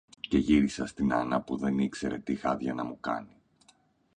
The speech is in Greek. Και γύρισα στην Άννα που δεν ήξερε τι χάδια να μου κάνει.